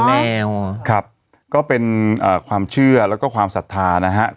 แมงสี่หูห้าตาอะไรเนี่ยฮะ